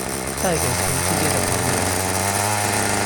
帶給全世界的朋友